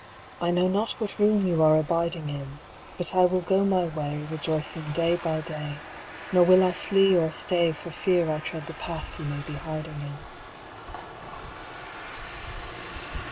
I know not what room you are abiding in, But I will go my way, Rejoicing day by day, Nor will I flee or stay For fear I tread the path you may be hiding in.